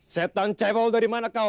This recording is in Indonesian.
setan cheval dari mana kau